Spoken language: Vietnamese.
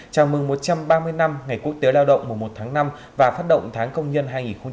chào mừng một trăm ba mươi năm ngày quốc tiếu lao động mùa một tháng năm và phát động tháng công nhân hai nghìn một mươi sáu